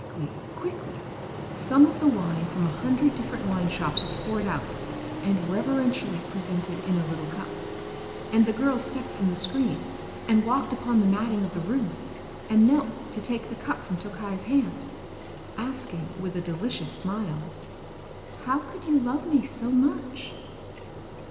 _" (Yes.) Then quickly, quickly, some of the wine from a hundred different wine shops was poured out, and reverentially presented in a little cup. And the girl stepped from the screen, and walked upon the matting of the room, and knelt to take the cup from Tokkei's hand, asking, with a delicious smile: "How could you love me so much?"